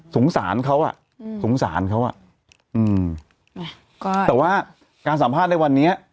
สงสารเขาอ่ะสงสารเขาอ่ะอืมก็แต่ว่าการสัมภาษณ์ในวันนี้